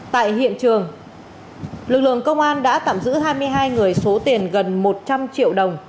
tại hiện trường lực lượng công an đã tạm giữ hai mươi hai người số tiền gần một trăm linh triệu đồng